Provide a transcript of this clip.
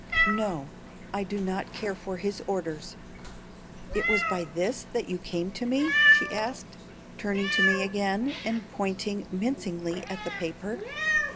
"No, I do not care for his orders. It was by this that you came to me?" she asked, turning to me again, and pointing mincingly at the paper.